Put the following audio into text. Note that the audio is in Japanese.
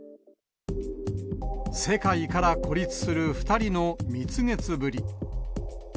世界から孤立する２人の蜜月ぶり。